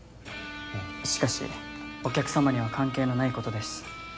しかしお客様には関係のないことです。